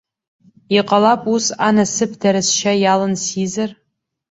Иҟалап, ус анасыԥдара сшьа иалан сизар.